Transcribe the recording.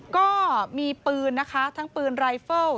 ก็มีปืนนะคะทั้งปืนรายเฟิล